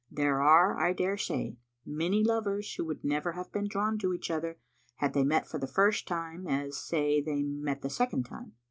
There are, I dare say, many lovers who would never have been drawn to each other had they met for the first time, as, say, they met the second time.